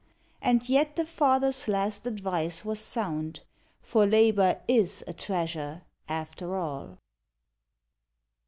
And yet the father's last advice was sound, For Labour is a treasure, after all.